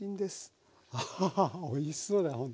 アハハハッおいしそうだほんとに。